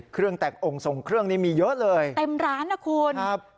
เครื่องแต่งองค์ทรงเครื่องนี้มีเยอะเลยเต็มร้านนะคุณครับ